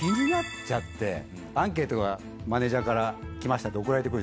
アンケートがマネジャーから来ました！って送られて来る。